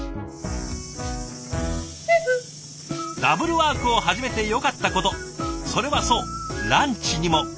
ダブルワークを始めてよかったことそれはそうランチにも。